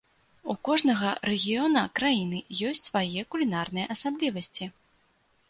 У кожнага рэгіёна краіны ёсць свае кулінарныя асаблівасці.